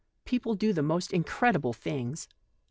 People do the most incredible things.